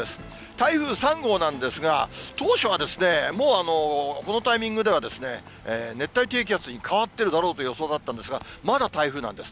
台風３号なんですが、当初はもう、このタイミングでは、熱帯低気圧に変わっているだろうという予想だったんですが、まだ台風なんです。